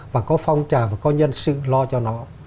và có phong trà và có nhân sự lo cho nó